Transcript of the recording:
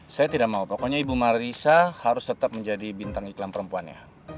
saya tidak mau pokoknya ibu marisa harus tetap menjadi bintang iklan perempuan ya